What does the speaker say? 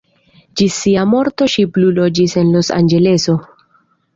Ĝis sia morto ŝi plu loĝis en Los-Anĝeleso.